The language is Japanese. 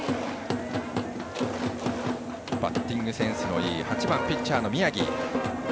バッティングセンスのいい８番ピッチャーの宮城。